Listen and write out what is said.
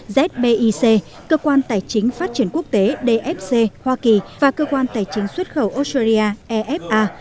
zbic cơ quan tài chính phát triển quốc tế dfc hoa kỳ và cơ quan tài chính xuất khẩu australia efa